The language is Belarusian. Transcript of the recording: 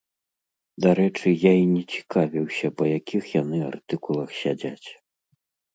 Дарэчы, я і не цікавіўся, па якіх яны артыкулах сядзяць.